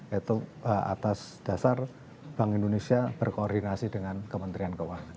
yaitu atas dasar bank indonesia berkoordinasi dengan kementerian keuangan